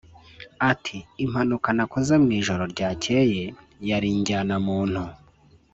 Ati “Impanuka nakoze mu ijoro ryakeye yari injyanamuntu